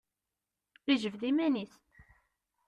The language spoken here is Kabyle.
Ijbed iman-is.